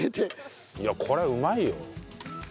いやこれはうまいよ。